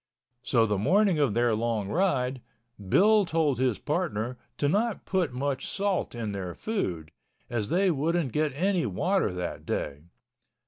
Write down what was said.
So the morning of their long ride, Bill told his partner to not put much salt in their food, as they wouldn't get any water that day.